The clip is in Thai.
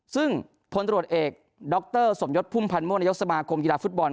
ซึ่งพลตรวจเอกดรสมยศพุ่มพันธ์ม่นายกสมาคมกีฬาฟุตบอล